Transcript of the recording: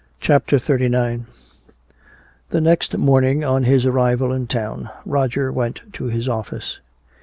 CHAPTER XXXIX The next morning on his arrival in town, Roger went to his office.